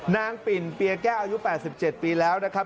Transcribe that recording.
ปิ่นเปียแก้วอายุ๘๗ปีแล้วนะครับ